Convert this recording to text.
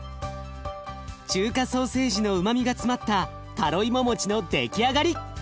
中華ソーセージのうまみが詰まったタロイモ餅の出来上がり！